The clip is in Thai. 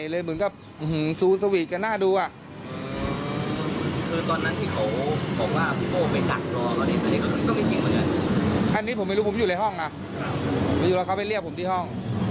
แล้วเขาไปเรียบผมที่ห้อง